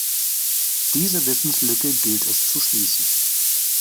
Diese Wissenslücke gilt es zu schließen.